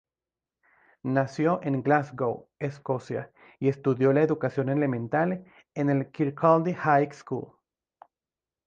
Nació en Glasgow, Escocia y estudió la educación elemental en el Kirkcaldy High School.